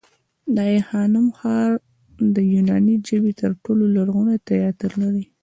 د آی خانم ښار د یوناني ژبې تر ټولو لرغونی تیاتر لري